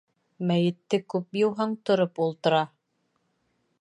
Мәйетте күп йыуһаң, тороп ултыра.